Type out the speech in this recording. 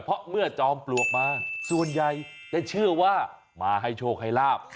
เพราะเมื่อจอมปลวกมาส่วนใหญ่จะเชื่อว่ามาให้โชคให้ลาบ